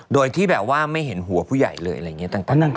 โดยที่อะไม่เห็นหัวผู้ใหญ่เลย